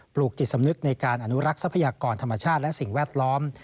ลูกจิตสำนึกในการอนุรักษ์ทรัพยากรธรรมชาติและสิ่งแวดล้อม